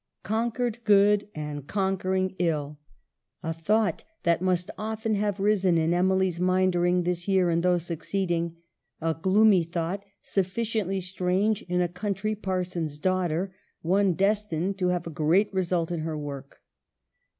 " Conquered good and conquering ill !" A thought that must often have risen in Emily's mind during this year and those succeeding. A gloomy thought, sufficiently strange in a country parson's daughter ; one destined to have a great result in her work.